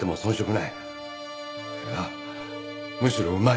いやむしろうまい。